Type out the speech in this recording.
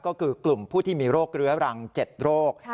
ก็คือกลุ่มผู้ที่มีโรคเรื้อรัง๗โรค